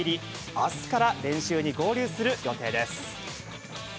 あすから練習に合流する予定です。